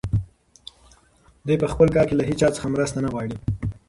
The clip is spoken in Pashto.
دی په خپل کار کې له هیچا څخه مرسته نه غواړي.